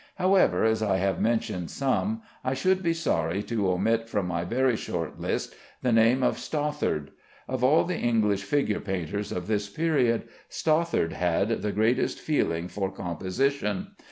However, as I have mentioned some, I should be sorry to omit from my very short list the name of Stothard. Of all the English figure painters of this period, Stothard had the greatest feeling for composition.